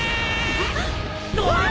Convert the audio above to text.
あっ！